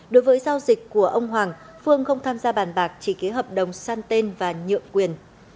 đối với giao dịch của ông hoàng phương không tham gia bàn bạc chỉ ký hợp đồng san tên và nhượng quyền